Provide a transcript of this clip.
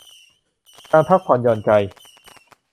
การพักผ่อนหย่อนใจ